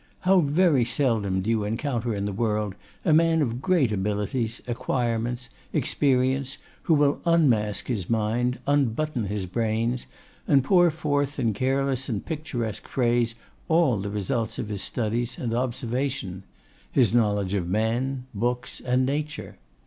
How very seldom do you encounter in the world a man of great abilities, acquirements, experience, who will unmask his mind, unbutton his brains, and pour forth in careless and picturesque phrase all the results of his studies and observation; his knowledge of men, books, and nature.